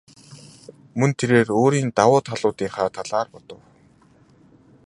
Мөн тэрээр өөрийн давуу талуудынхаа талаар бодов.